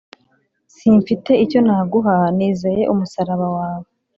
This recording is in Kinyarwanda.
Simfite icyo naguha nizeye umusaraba wawe